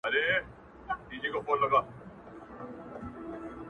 ورباندي پايمه په دوو سترگو په څو رنگه!